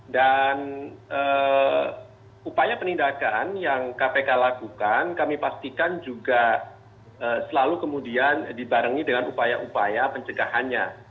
dan upaya penindakan yang kpk lakukan kami pastikan juga selalu kemudian dibarengi dengan upaya upaya pencegahannya